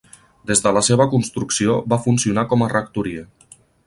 Des de la seva construcció va funcionar com a rectoria.